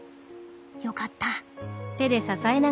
よかった。